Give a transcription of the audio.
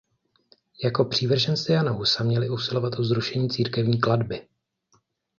Jako přívrženci Jana Husa měli usilovat o zrušení církevní klatby.